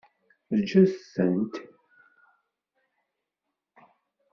Ǧǧet-tent.